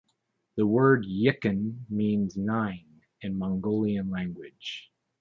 The word Yichun means "nine" in Mongolian language.